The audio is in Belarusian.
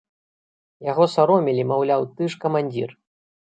Яго саромілі, маўляў, ты ж камандзір!